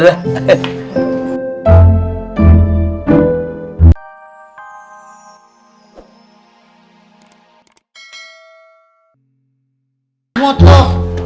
dah abah masuk dah